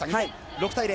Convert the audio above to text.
６対０。